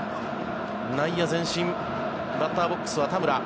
内野前進バッターボックスは田村。